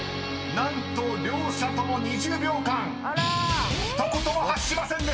［何と両者とも２０秒間一言も発しませんでした］